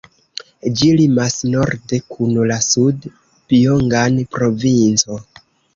Ĝi limas norde kun la Sud-Pjongan provinco.